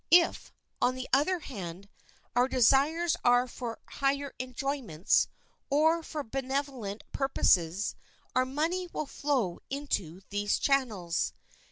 If, on the other hand, our desires are for higher enjoyments, or for benevolent purposes, our money will flow into these channels.